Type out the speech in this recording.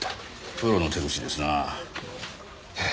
プロの手口ですなあ。